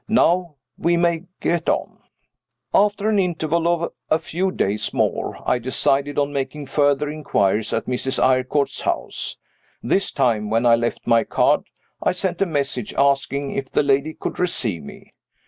Now we may get on. After an interval of a few days more I decided on making further inquiries at Mrs. Eyrecourt's house. This time, when I left my card, I sent a message, asking if the lady could receive me.